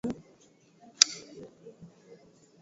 hifadhi ya ruaha ni kubwa sana